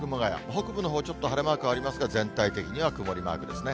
北部のほう、ちょっと晴れマークありますが、全体的には曇りマークですね。